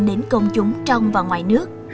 đến công chúng trong và ngoài nước